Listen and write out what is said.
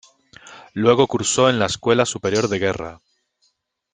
Luego cursó en la Escuela Superior de Guerra.